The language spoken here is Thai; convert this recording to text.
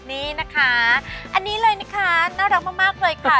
นี่นะคะอันนี้เลยนะคะน่ารักมากเลยค่ะ